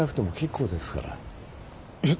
えっ！？